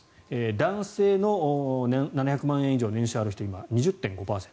男性の年収７００万円以上ある人は今、２０．５％。